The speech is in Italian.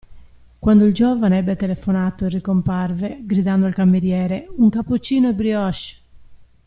Quando il giovane ebbe telefonato e ricomparve, gridando al cameriere: Un cappuccino e brioche!